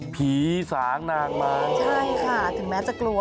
ผีสางนางไม้ใช่ค่ะถึงแม้จะกลัว